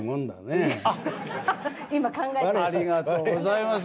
ありがとうございます。